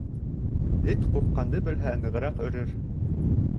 Эт ҡурҡҡанды белһә, нығыраҡ өрөр.